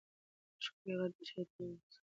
ښکلی غږ د شعر په اغېز کې مرسته کوي.